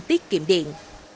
tiết kiệm điện